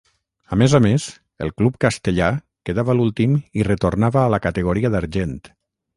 A més a més, el club castellà quedava l'últim i retornava a la categoria d'argent.